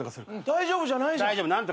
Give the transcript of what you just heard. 大丈夫じゃないじゃん。